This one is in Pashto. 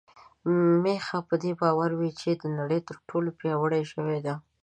میښه په دې باور وه چې د نړۍ تر ټولو پياوړې ژوی ده.